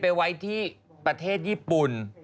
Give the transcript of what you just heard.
ไปไว้ที่ประเทศญี่ปุ่น